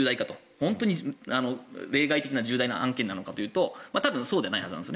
本当に例外的な重大な案件かというと多分そうでないはずです。